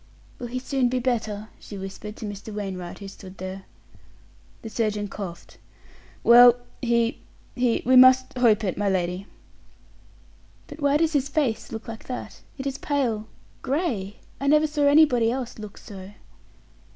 "Will he soon be better?" she whispered to Mr. Wainwright, who stood there. The surgeon coughed. "Well, he he we must hope it, my lady." "But why does his face look like that? It is pale gray; I never saw anybody else look so."